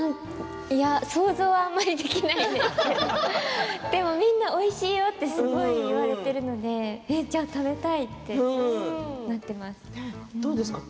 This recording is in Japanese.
想像はあまりできないですけどでも、みんなおいしいよとすごく言われているのでじゃあ食べたいってなってます。